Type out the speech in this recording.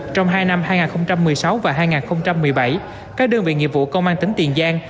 trong hai năm hai nghìn một mươi sáu và hai nghìn một mươi bảy các đơn vị nghiệp vụ công an tỉnh tiền giang